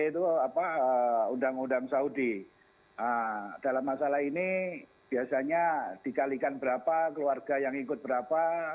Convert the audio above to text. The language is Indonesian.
dalam masalah ini biasanya dikalikan berapa keluarga yang ikut berapa